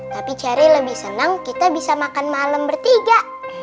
tapi chery lebih senang kita bisa makan malam bertiga